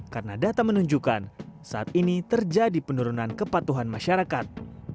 karena data menunjukkan saat ini terjadi penurunan kepatuhan masyarakat